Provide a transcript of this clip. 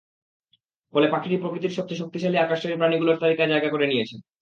ফলে পাখিটি প্রকৃতির সবচেয়ে শক্তিশালী আকাশচারী প্রাণীগুলোর তালিকায় জায়গা করে নিয়েছে।